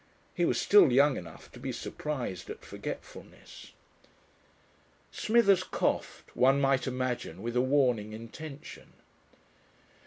He was still young enough to be surprised at forgetfulness. Smithers coughed, one might imagine with a warning intention.